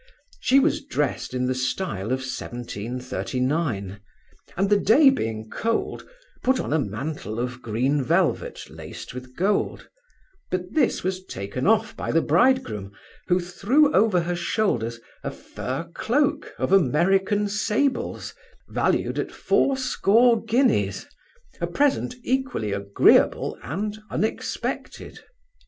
She was dressed in the stile of 1739; and the day being cold, put on a manteel of green velvet laced with gold: but this was taken off by the bridegroom, who threw over her shoulders a fur cloak of American sables, valued at fourscore guineas, a present equally agreeable and unexpected.